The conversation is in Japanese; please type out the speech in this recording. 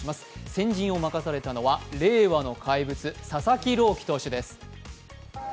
先陣を任されたのは令和の怪物・佐々木朗希投手です。